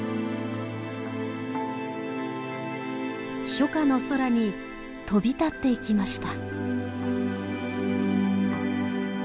初夏の空に飛び立っていきました。